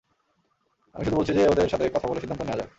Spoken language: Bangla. আমি শুধু বলছি যে, ওদের সাথে কথা বলে সিদ্ধান্ত নেয়া যাক।